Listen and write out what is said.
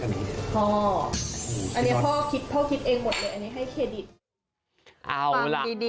อันนี้พ่อคิดพ่อคิดเองหมดเลยอันนี้ให้เครดิต